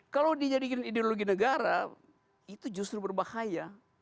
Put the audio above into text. kalau dijadikan ideologi negara itu justru berbahaya